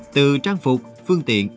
từ trang phục phương tiện